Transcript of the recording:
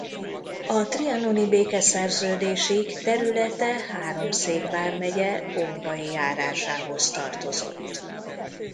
A trianoni békeszerződésig területe Háromszék vármegye Orbai járásához tartozott.